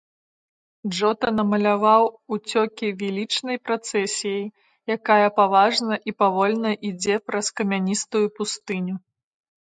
Джота намаляваў уцёкі велічнай працэсіяй, якая паважна і павольна ідзе праз камяністую пустыню.